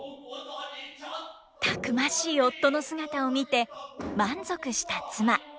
たくましい夫の姿を見て満足した妻。